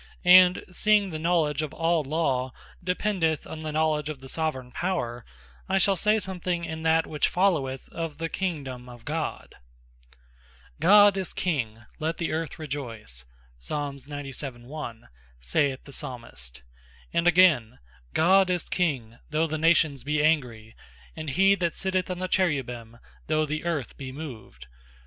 And seeing the knowledge of all Law, dependeth on the knowledge of the Soveraign Power; I shall say something in that which followeth, of the KINGDOME OF GOD. Who Are Subjects In The Kingdome Of God "God is King, let the Earth rejoice," saith the Psalmist. (Psal. 96. 1). And again, "God is King though the Nations be angry; and he that sitteth on the Cherubins, though the earth be moved."